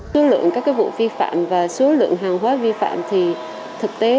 số lượng các vụ vi phạm và số lượng hàng hóa vi phạm thì thực tế